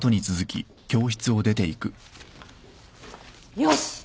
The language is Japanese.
よし！